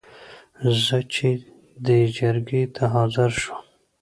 زه چې دې جرګې ته حاضر شوم.